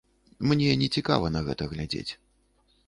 Мне нецікава на гэта глядзець.